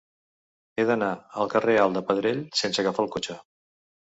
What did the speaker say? He d'anar al carrer Alt de Pedrell sense agafar el cotxe.